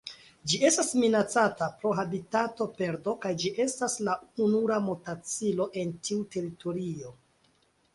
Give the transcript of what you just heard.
Ĝi estas minacata pro habitatoperdo kaj ĝi estas la ununura motacilo en tiu teritorio.